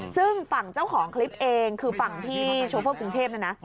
ซึ่งฝั่งเจ้าของคลิปเองคือฝั่งพี่โชเฟอร์กรุงเทพเนี่ยนะ